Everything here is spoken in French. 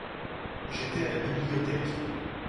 J'étais à la bibliothèque.